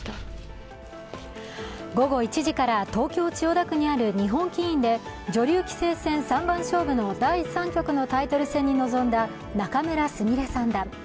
午後１時から東京・千代田区にある日本棋院で女流棋聖戦三番勝負の第３局のタイトル戦に臨んだ仲邑菫三段。